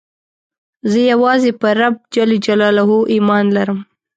زه یوازي په رب ﷻ ایمان لرم.